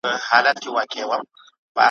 ما خو ویل چي نه را ګرځمه زه نه ستنېږم ,